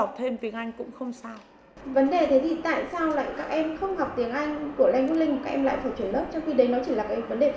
vấn đề thì tại sao lại các em không học tiếng anh của lanh quân linh các em lại phải chuyển lớp trong khi đấy nó chỉ là cái vấn đề